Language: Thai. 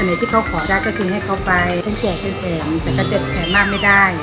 อันไหนที่เธอขอได้ก็คือให้เค้าไปยังแจกแผงแต่ก็จะแขนมากไม่ได้